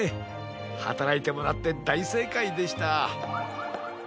はたらいてもらってだいせいかいでした。